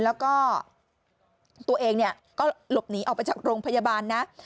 แล้วก็ตัวเองเนี่ยก็หลบหนีออกไปจากโรงพยาบาลนะ